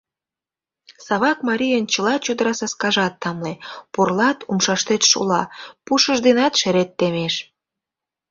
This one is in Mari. Савак марийын чыла чодыра саскажат тамле, пурлат — умшашет шула, пушыж денат шерет темеш.